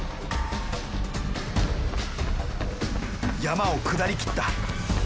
山を下りきった。